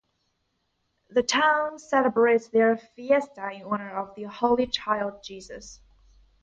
The town celebrates their fiesta in honor of the Holy Child Jesus.